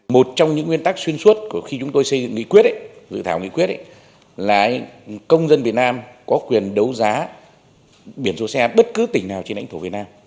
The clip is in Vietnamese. một trong những nguyên tắc xuyên suốt của khi chúng tôi xây dựng nghị quyết dự thảo nghị quyết là công dân việt nam có quyền đấu giá biển số xe bất cứ tỉnh nào trên lãnh thổ việt nam